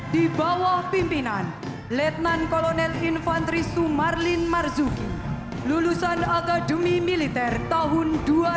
di bawah pimpinan letnan kolonel infantri sumarlin marzuki lulusan akademi militer tahun dua ribu